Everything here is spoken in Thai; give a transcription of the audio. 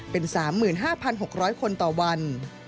เป็น๓๕๖๐๐คนต่อวัน